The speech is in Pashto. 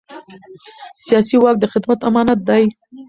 سیاسي واک د خدمت امانت دی